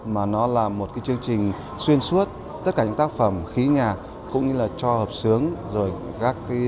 mà nó là một chương trình xuyên suốt tất cả những tác phẩm khí nhạc cũng như cho hợp sướng